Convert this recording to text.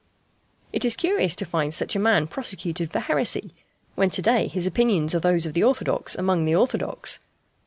It is curious to find such a man prosecuted for heresy, when to day his opinions are those of the orthodox among the orthodox.